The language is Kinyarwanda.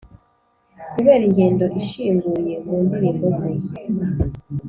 kubera ingendo ishinguye mu ndirimbo ze